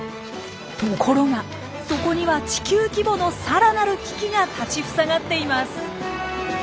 ところがそこには地球規模のさらなる危機が立ちふさがっています。